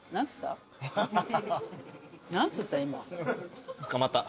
何つった？